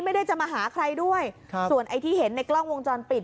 ไม่ได้จะมาหาใครด้วยครับส่วนไอ้ที่เห็นในกล้องวงจรปิด